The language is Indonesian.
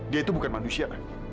dia itu bukan manusia